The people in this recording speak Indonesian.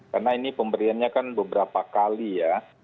karena ini pemberiannya kan beberapa kali ya